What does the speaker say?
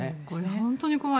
本当に怖い。